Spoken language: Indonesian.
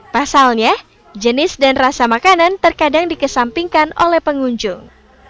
pasalnya jenis dan rasa makanan terkadang dikesampingkan oleh pengunjung